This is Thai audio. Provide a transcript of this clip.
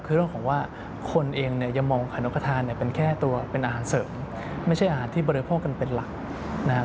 คือเรื่องของว่าคนเองเนี่ยยังมองขนกทานเนี่ยเป็นแค่ตัวเป็นอาหารเสริมไม่ใช่อาหารที่บริโภคกันเป็นหลักนะครับ